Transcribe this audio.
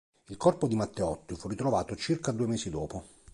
Il corpo di Matteotti fu ritrovato circa due mesi dopo.